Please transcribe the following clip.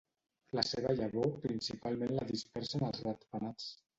La seva llavor principalment la dispersen els ratpenats.